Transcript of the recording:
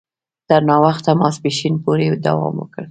تر ناوخته ماپښین پوري دوام وکړ.